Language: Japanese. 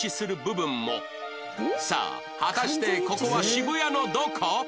さあ果たしてここは渋谷のどこ？